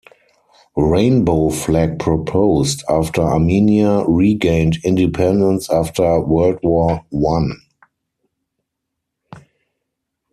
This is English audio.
Rainbow flag proposed after Armenia regained independence after World War One.